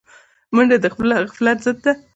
منډه د غفلت ضد ده